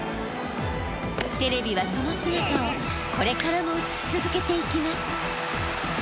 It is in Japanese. テレビはその姿をこれからも映し続けていきます。